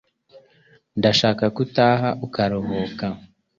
Ndashaka ko utaha ukaruhuka